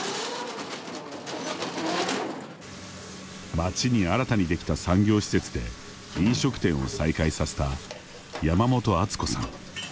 町に新たにできた産業施設で飲食店を再開させた山本敦子さん。